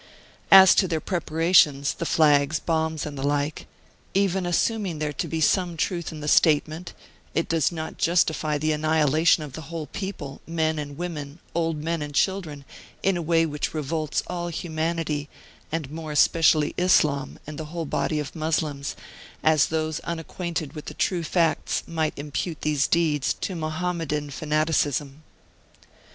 As to their preparations, the flags, bombs, and the like, even assuming there to be some truth in the statement, it does not justify the annihilation of the whole people, men and women; old men and children, in a way which revolts all humanity and more especially Islam and the whole body of Mos lems, as those unacquainted with the true facts might impute these deeds to Mohammedan fanaticism.